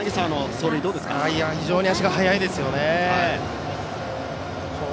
非常に足が速いですよね。